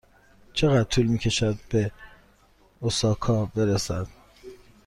چقدر طول می کشد به اوساکا برسد؟